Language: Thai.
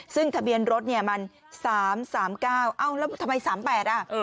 ซึ่งทะเบียนรถเนี่ยมัน๓๓๙เอ้าแล้วทำไม๓๘อ่ะ